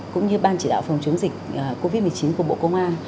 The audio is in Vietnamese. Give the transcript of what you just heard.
cũng như ban chỉ đạo phòng chống dịch covid một mươi chín của bộ công an